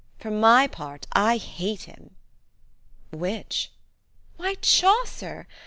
For my part, I hate him. '' "Which?" " Why, Chaucer